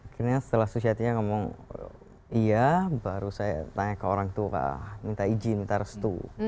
akhirnya setelah susiatinya ngomong iya baru saya tanya ke orang tua minta izin minta restu